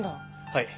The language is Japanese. はい。